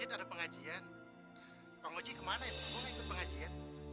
det kep tips ya